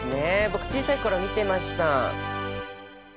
僕小さい頃見てました。